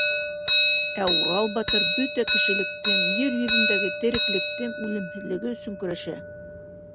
Ә Урал батыр бөтә кешелектең, ер йөҙөндәге тереклектең үлемһеҙлеге өсөн көрәшә.